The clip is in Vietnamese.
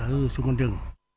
ở xung quanh rừng